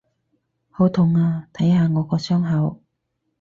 好痛啊！睇下我個傷口！